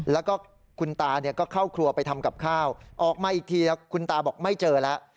แล้วก็คุณตาก็เข้าครัวไปทำกับข้าวออกมาอีกทีคุณตาบอกไม่เจอแล้ว